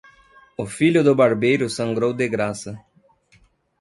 O filho do barbeiro sangrou de graça.